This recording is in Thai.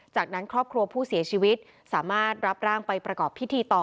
จากนั้นครอบครัวผู้เสียชีวิตสามารถรับร่างไปประกอบพิธีต่อ